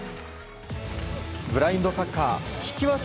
ブラインドサッカー引き分け